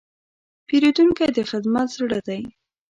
پیرودونکی د خدمت زړه دی.